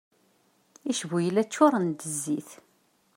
Icbuyla ččuren d zzit.